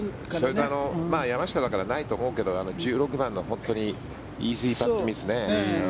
それと山下だからないと思うけど１６番のイージーパットミスね。